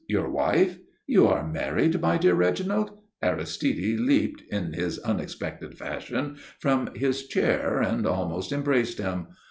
Your wife? You are married, my dear Reginald?" Aristide leaped, in his unexpected fashion, from his chair and almost embraced him.